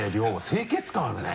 清潔感あるね。